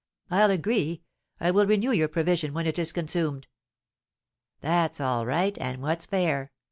"I'll agree I will renew your provision when it is consumed." "That's all right, and what's fair.